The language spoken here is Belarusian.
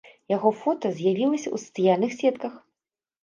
Яго фота з'явілася ў сацыяльных сетках.